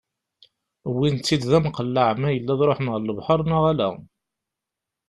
Wwin-tt-id d amqelleɛ ma yella ad ruḥen ɣer lebḥer neɣ ala.